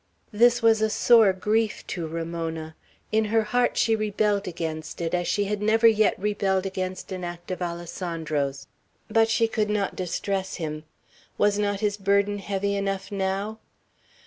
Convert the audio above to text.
This was a sore grief to Ramona. In her heart she rebelled against it, as she had never yet rebelled against an act of Alessandro's; but she could not distress him. Was not his burden heavy enough now?